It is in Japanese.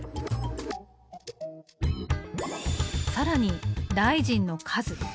さらに大臣の数。